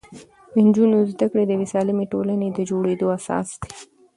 د نجونو زده کړې د یوې سالمې ټولنې د جوړېدو اساس دی.